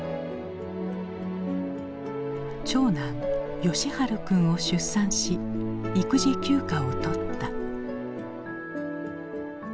長男喜春君を出産し育児休暇を取った。